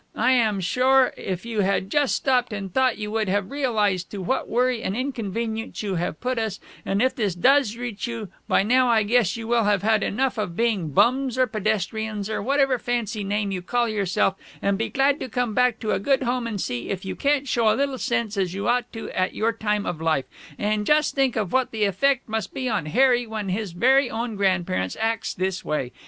I am sure if you had just stopped and thought you would have realized to what worry and inconvenience you have put us, & if this does reach you, by now I guess you will have had enough of being bums or pedestrians or whatever fancy name you call yourself, and be glad to come back to a good home and see if you can't show a little sense as you ought to at your time of life, & just think of what the effect must be on Harry when his very own grand parents acts this way!